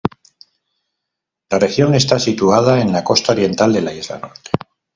La región está situada en la costa oriental de la Isla Norte.